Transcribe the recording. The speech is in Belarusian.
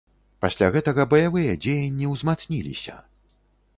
Пасля гэтага баявыя дзеянні ўзмацніліся.